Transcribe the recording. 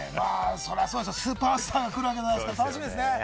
そりゃそうですよ、スーパースターが来るわけですから楽しみですよね。